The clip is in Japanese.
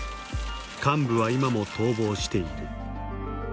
幹部は今も逃亡している。